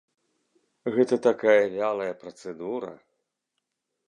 Гэта такая вялая працэдура.